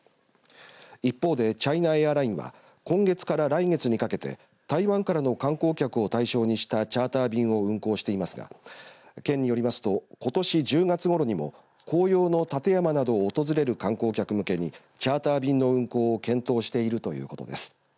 一方でチャイナエアラインは今月から来月にかけて台湾からの観光客を対象にしたチャーター便を運航していますが県によりますとことし１０月ごろにも紅葉の立山などを訪れる観光客向けにチャーター便の運航を検討しているということです。